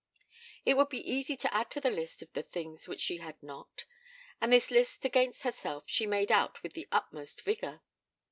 It would be easy to add to the list of the things which she had not; and this list against herself she made out with the utmost vigour.